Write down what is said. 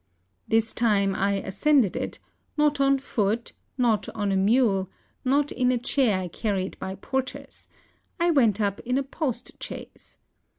This time I ascended it, not on foot, not on a mule, not in a chair carried by porters; I went up in a post chaise.